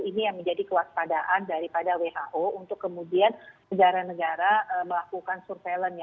ini yang menjadi kewaspadaan daripada who untuk kemudian negara negara melakukan surveillance